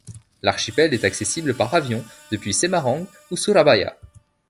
L'archipel est accessible par avion depuis Semarang ou Surabaya.